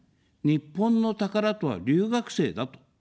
日本の宝とは、留学生だと。